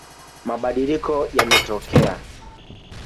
Mabadiliko yametokea